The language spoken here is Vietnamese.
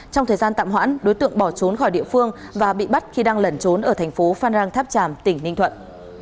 trong thời gian tạm hoãn đối tượng bỏ trốn khỏi địa phương và bị bắt khi đang lẩn trốn ở thành phố phan rang tháp tràm tỉnh ninh thuận